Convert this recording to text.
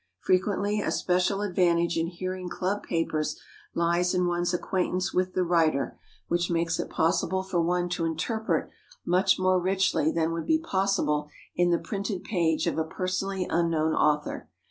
Frequently a special advantage in hearing club papers lies in one's acquaintance with the writer, which makes it possible for one to interpret much more richly than would be possible in the printed page of a personally unknown author.